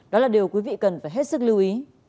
đó là điều quý vị cần phải hết sức lưu ý